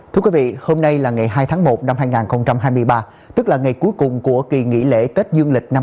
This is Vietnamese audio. thưa quý vị hôm nay là ngày hai tháng một năm hai nghìn hai mươi ba tức là ngày cuối cùng của kỳ nghỉ lễ tết dương lịch năm hai nghìn hai mươi bốn